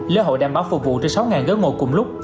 lễ hội đảm bảo phục vụ trên sáu ghế ngồi cùng lúc